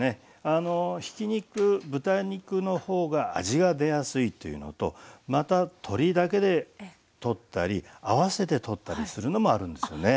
あのひき肉豚肉の方が味が出やすいっていうのとまた鶏だけでとったり合わせてとったりするのもあるんですよね。